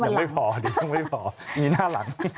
อย่างไม่พอดิอย่างไม่พอมีหน้าหลัง